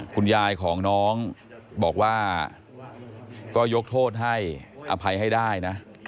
คุณยายของน้องบอกว่าก็ยกโทษให้อภัยให้ได้นะ